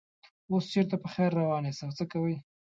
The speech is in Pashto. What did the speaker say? اوس چېرته په خیر روان یاست او څه کوئ.